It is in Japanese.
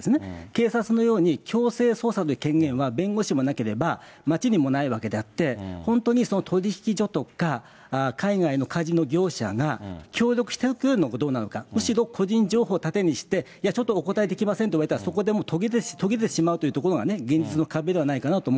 警察のように、強制捜査という権限は弁護士にもなければ、町にもないわけであって、本当に取引所とか海外のカジノ業者が協力してくれてるのかどうなのか、むしろ個人情報を盾にして、いや、ちょっとお答えできませんと言われたら、そこで途切れてしまうというところがね、現実の壁